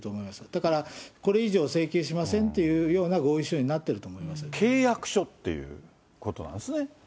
だからこれ以上請求しませんっていうような合意書になっているん契約書っていうことなんですね。